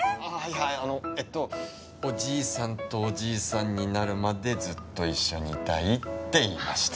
あああのえっとおじいさんとおじいさんになるまでずっと一緒にいたいって言いました。